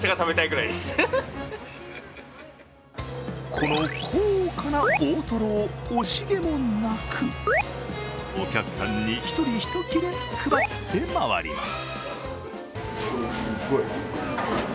この高価な大トロを惜しげもなくお客さんに１人１切れ配って回ります。